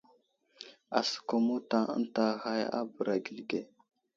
Asəkum mota ənta ghay a bəra gəli ge.